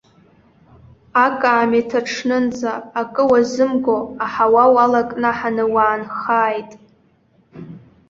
Акаамеҭ аҽнынӡа, акы уазымго, аҳауа уалакнаҳаны уаанхааит!